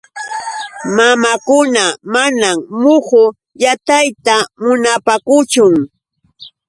Mamakuna manam muhu yatayta munaapaakuchun.